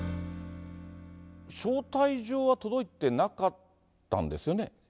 招待状は届いてなかったんですよね？